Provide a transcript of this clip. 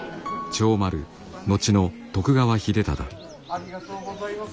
ありがとうございます。